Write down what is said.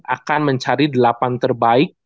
akan mencari delapan terbaik